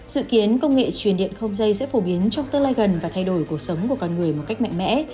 dự kiến công nghệ truyền điện không dây sẽ phổ biến trong tương lai gần và thay đổi cuộc sống của con người một cách mạnh mẽ